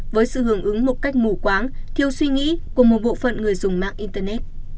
với sự hưởng ứng một cách mù quáng thiếu suy nghĩ của một bộ phận người dùng mạng internet